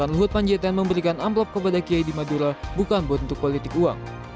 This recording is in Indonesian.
luhut panjaitan memberikan amplop kepada kiai di madura bukan buat untuk politik uang